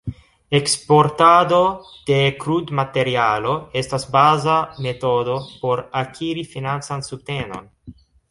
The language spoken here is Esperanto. Eksportado de krudmaterialo estas baza metodo por akiri financan subtenon.